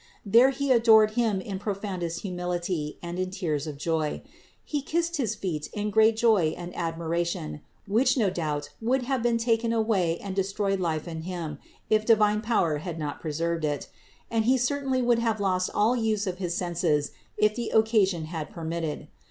There he adored Him in profoundest humility and in tears of joy. He kissed his feet in great joy and admiration, which no doubt would have taken away and destroyed life in him, if divine power had not preserved it; and he certainly would have lost all the use of his senses, if the occasion had permitted.